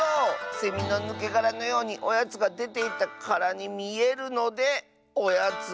セミのぬけがらのようにおやつがでていったからにみえるので「おやつのぬけがら」！